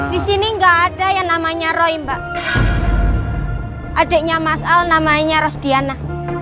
disini enggak ada yang namanya roy mbak adeknya masal namanya rosdiana